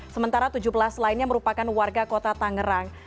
sementara tujuh belas lainnya merupakan warga kota tangerang